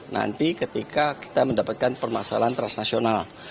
nanti ketika kita mendapatkan permasalahan transnasional